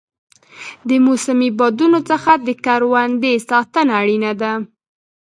د موسمي بادونو څخه د کروندې ساتنه اړینه ده.